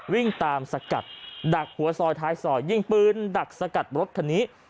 วิ่งตามสกัดดักหัวซอยท้ายซอยยิงปืนดักสกัดรถคันนี้